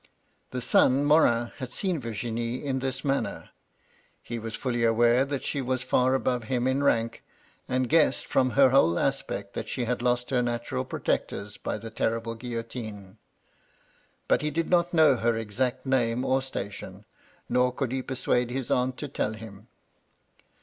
The son, Morin, had seen Virginie in this manner. He was fully aware that she was far above him in rank, and guessed from her whole aspect that she had lost her natural protectors by the terrible guillotine ; but he did not know her exact name or station, nor could he persuade his aunt to tell him.